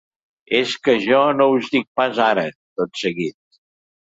-És que jo no us dic pas ara, tot seguit…